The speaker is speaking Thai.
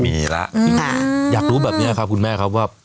มีแล้วอยากรู้แบบนี้ครับคุณแม่ครับว่า